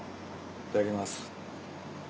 いただきます。